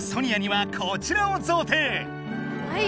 はい！